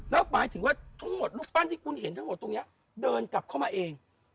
แล้วหมายถึงว่าทั้งหมดรูปปั้นที่คุณเห็นทั้งหมดตรงนี้เดินกลับเข้ามาเอง